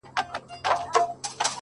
ستا د ټولو شرطونو سره سمه بدله سوې: